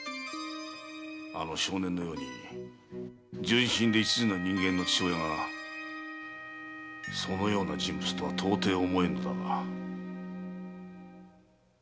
あの少年のように純真で一途な人間の父親がそのような人物とは到底思えんのだが。